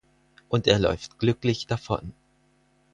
Und er läuft glücklich davon.